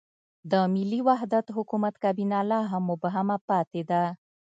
د ملي وحدت حکومت کابینه لا هم مبهمه پاتې ده.